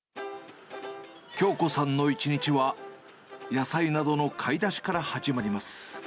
京子さんの一日は、野菜などの買い出しから始まります。